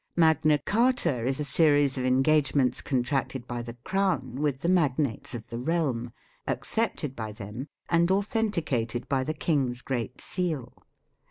Magna Carta is a series of engagements contracted by the Crown with the magnates of the realm, accepted by them, and authenticated by the King's Great Seal.